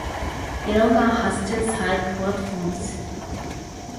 Yarragon has two side platforms.